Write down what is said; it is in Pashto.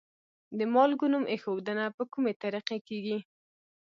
د مالګو نوم ایښودنه په کومې طریقې کیږي؟